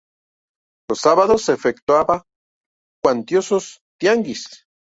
Los sábados se efectuaba cuantioso tianguis.